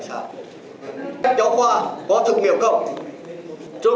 các giáo khoa có thực miệng không